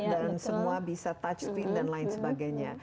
dan semua bisa touchscreen dan lain sebagainya